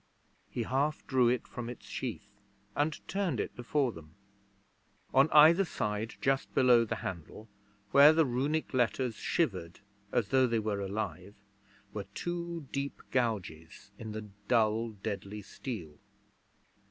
He half drew it from its sheath and turned it before them. On either side just below the handle, where the Runic letters shivered as though they were alive, were two deep gouges in the dull, deadly steel.